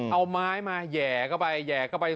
เอาไม้มาแห่เข้าไปแห่เข้าไป